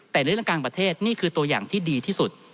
แต่เรื่องกลางประเทศนี่คือตัวอย่างที่ดีที่สุด